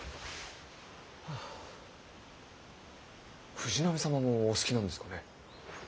藤波様もお好きなんですかねえ。